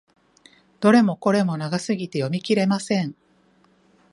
どれもこれも長すぎて読み切れません。